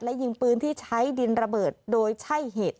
และยิงปืนที่ใช้ดินระเบิดโดยใช่เหตุ